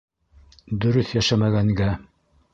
Дөрөҫ йәшәмәгәнгә...